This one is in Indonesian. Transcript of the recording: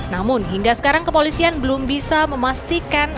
namun hingga sekarang kepolisian belum bisa memastikan